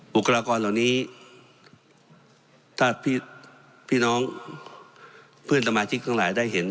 คลากรเหล่านี้ถ้าพี่น้องเพื่อนสมาชิกทั้งหลายได้เห็น